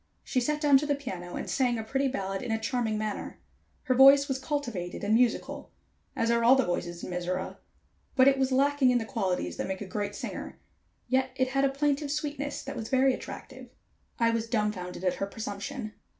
She sat down to the piano and sang a pretty ballad in a charming manner. Her voice was cultivated and musical, as are all the voices in Mizora, but it was lacking in the qualities that make a great singer, yet it had a plaintive sweetness that was very attractive. I was dumbfounded at her presumption.